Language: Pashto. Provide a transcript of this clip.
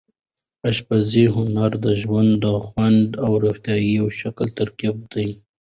د اشپزۍ هنر د ژوند د خوند او روغتیا یو ښکلی ترکیب دی.